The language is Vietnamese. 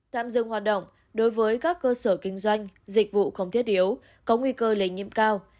tạm dừng hoạt động đối với các cơ sở kinh doanh dịch vụ không thiết yếu có nguy cơ lây nhiễm cao